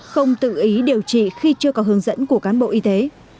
không tự ý điều trị khi chưa có hướng dẫn của cán bộ y tế